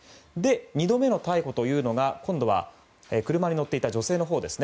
２度目の逮捕というのは今度は車に乗っていた女性のほうですね。